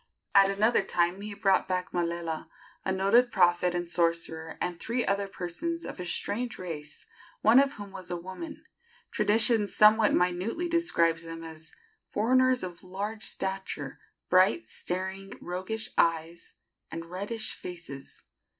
At another time he brought back Malela, a noted prophet and sorcerer, and three other persons of a strange race, one of whom was a woman. Tradition somewhat minutely describes them as "foreigners of large stature, bright, staring, roguish eyes, and reddish faces."